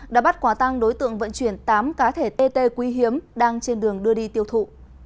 đã bắt quả tăng đối tượng vận chuyển tám cá thể tt quý hiếm đang trên đường đưa đi tiêu thụ